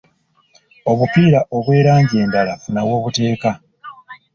Obupiira obw'erangi endala funa w'obuteeka.